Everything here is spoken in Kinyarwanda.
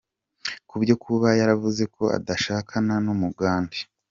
Kubyo kuba yaravuze ko atazashakana n’umugande.